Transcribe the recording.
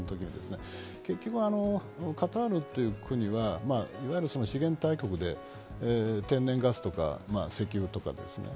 結局、カタールという国は自然大国で、天然ガスとか石油とかですね。